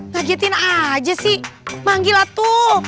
lagiatin aja sih manggil lah tuh